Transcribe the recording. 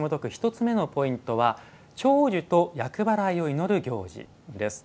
１つ目のポイントは「長寿と厄払いを祈る行事」です。